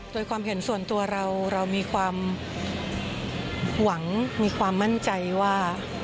โดยความเห็นส่วนตัวเราเรามีความหวังมีความมั่นใจว่า